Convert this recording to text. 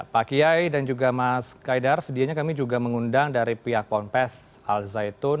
pak kiai dan juga mas kaidar sedianya kami juga mengundang dari pihak ponpes al zaitun